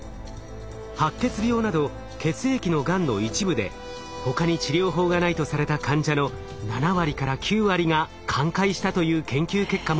白血病など血液のがんの一部で他に治療法がないとされた患者の７割から９割が寛解したという研究結果も。